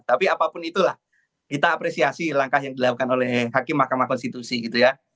tapi apapun itulah kita apresiasi langkah yang dilakukan oleh hakim mahkamah konstitusi gitu ya